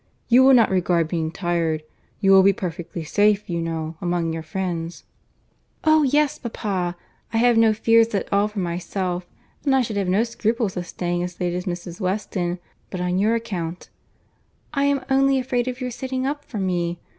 You will not regard being tired. You will be perfectly safe, you know, among your friends." "Oh yes, papa. I have no fears at all for myself; and I should have no scruples of staying as late as Mrs. Weston, but on your account. I am only afraid of your sitting up for me.